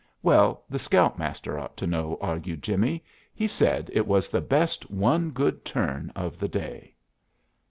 "Well, the scout master ought to know," argued Jimmie; "he said it was the best 'one good turn' of the day!"